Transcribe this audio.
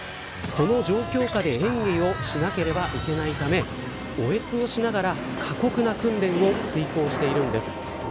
その状況下で演技をしなければいけないためおえつをしながら過酷な訓練を遂行しているんです。